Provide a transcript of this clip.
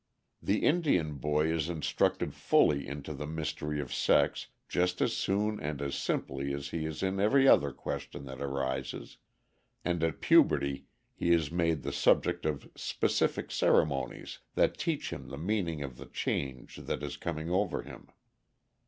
The Indian boy is instructed fully into the mystery of sex just as soon and as simply as he is in every other question that arises, and at puberty he is made the subject of specific ceremonies that teach him the meaning of the change that is coming over him.